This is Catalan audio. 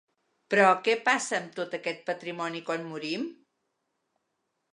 Però què passa amb tot aquest patrimoni quan morim?